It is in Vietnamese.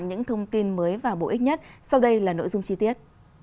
những thông tin mới và bổ ích nhất sau đây là nội dung chi tiết